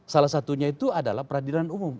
salah satunya itu adalah peradilan umum